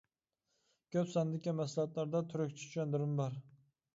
كۆپ ساندىكى مەھسۇلاتلاردا تۈركچە چۈشەندۈرمە بار.